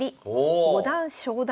五段昇段。